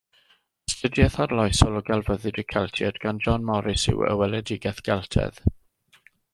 Astudiaeth arloesol o gelfyddyd y Celtiaid gan John Morris yw Y Weledigaeth Geltaidd